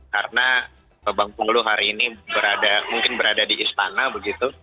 karena bang pungguluh hari ini berada mungkin berada di istana begitu